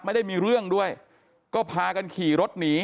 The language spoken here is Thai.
ไม่ได้มีเรื่องด้วยก็พากันขี่รถหนี